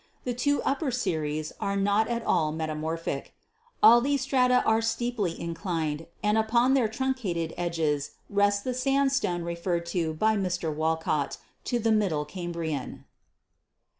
The two upper series are not at all metamorphic. All these strata are steeply inclined and upon their truncated edges rests the sandstone referred by Mr. Walcott to the Middle Cam brian."